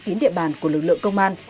và khép kín địa bàn của lực lượng công an